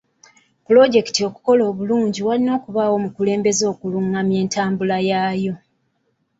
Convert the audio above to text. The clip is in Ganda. Pulojekiti okukola obulungi walina okubaawo omukulembeze okulungamya entambula yaayo.